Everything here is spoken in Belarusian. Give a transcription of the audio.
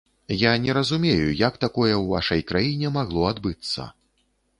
Я не разумею, як такое ў вашай краіне магло адбыцца?